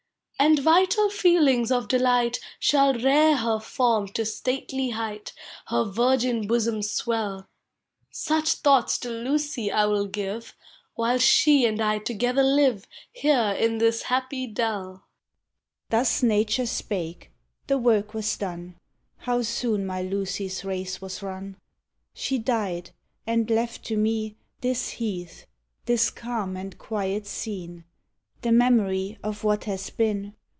" And vital feelings of delight Shall rear her form to stately height, Her virgin bosom swell; Such thoughts to Lucy I will give While she and I together live Here in this happy dell." Thus Nature spake. The work was done, — How soon my Lucy's race was run ! She died, and left to me This heath, this calm and quiet scene; The memory of what has been.